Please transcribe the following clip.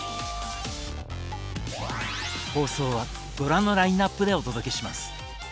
放送はご覧のラインナップでお届けします。